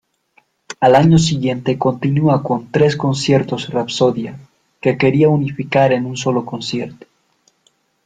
Al año siguiente continúa con "Tres conciertos-rapsodia" que quería unificar en un solo concierto.